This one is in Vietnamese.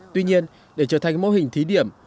tuy nhiên để trở thành mô hình thí điểm